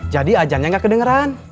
jadi ajannya tidak kedengeran